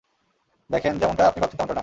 দেখেন, যেমনটা আপনি ভাবছেন তেমনটা না।